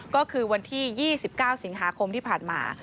ก็คือวันที่๒๙สิงหาคมที่ผ่านมา